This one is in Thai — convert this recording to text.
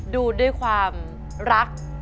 ดูด้วยความรัก